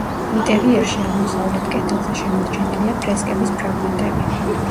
ინტერიერში აღმოსავლეთ კედელზე შემორჩენილია ფრესკების ფრაგმენტები.